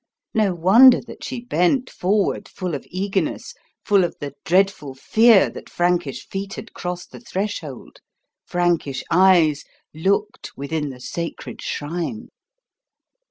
No wonder that she bent forward, full of eagerness, full of the dreadful fear that Frankish feet had crossed the threshold, Frankish eyes looked within the sacred shrine.